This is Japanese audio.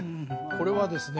これはですね